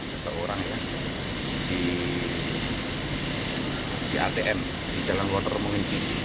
seseorang yang di atm di jalan watermongi ini di jakarta selatan